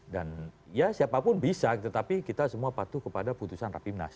dan ya siapapun bisa tetapi kita semua patuh kepada keputusan rapimnas